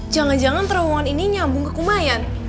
jangan jangan terowongan ini nyambung ke kumayan